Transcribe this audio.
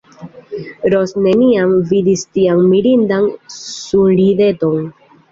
Ros neniam vidis tian mirindan sunrideton.